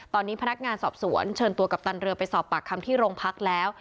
ตอนนี้พนักงานสอบสวนเชิญตัวกัปตันเรือไปสอบปากคำที่โรงพักแล้ว